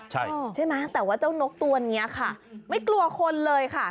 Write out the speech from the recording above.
ใช่ไหมแต่ว่าเจ้านกตัวนี้ค่ะไม่กลัวคนเลยค่ะ